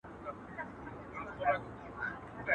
د اوبو وږي نهنگ یوه گوله کړ.